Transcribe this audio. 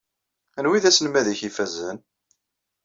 Anwa i d aselmad-ik ifazen?